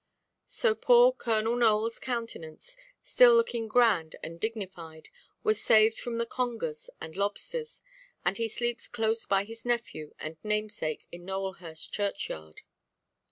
So poor Colonel Nowellʼs countenance, still looking grand and dignified, was saved from the congers and lobsters; and he sleeps close by his nephew and namesake in Nowelhurst churchyard.